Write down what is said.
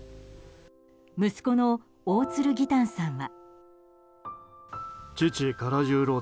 息子の大鶴義丹さんは。